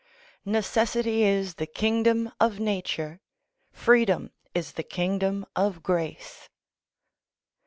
_Necessity is the kingdom of nature; freedom is the kingdom of grace.